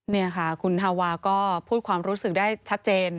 นี่ค่ะคุณฮาวาก็พูดความรู้สึกได้ชัดเจน